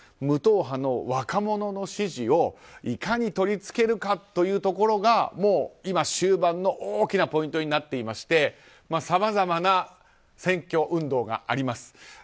無党派の若者の支持をいかに取り付けるかというところが今、終盤の大きなポイントになっていましてさまざまな選挙運動があります。